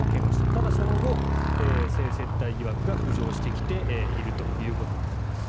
ただ、その後性接待疑惑が浮上してきているということになります。